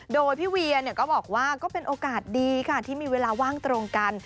โดยพี่เวียก็บอกว่าก็เป็นโอกาสดีค่ะที่มีเวลาว่างตรงกัน